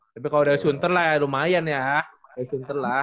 tapi kalau dari sunter lah ya lumayan ya sunter lah